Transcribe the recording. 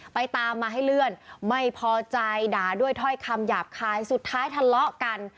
ไปตามมาให้เลื่อนไม่พอใจด่าด้วยถ้อยคำหยาบคายสุดท้ายทะเลาะกัน